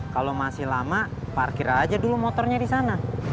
kalau masih lama parkir aja dulu motornya di sana